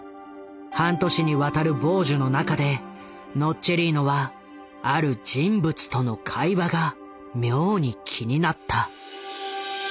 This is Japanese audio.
半年にわたる傍受の中でノッチェリーノはある人物との会話が妙に気になった。